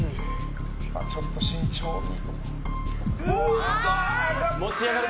ちゃんと慎重に。